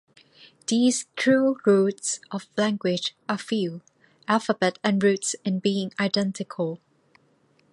These true roots of language are few, alphabet and roots being identical.